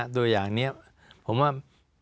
ตัวอย่างนี้ผมว่า